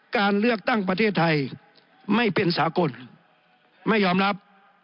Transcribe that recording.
การเลือกตั้งประเทศไทยไม่เป็นสากลไม่ยอมรับ